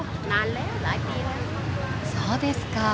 そうですか。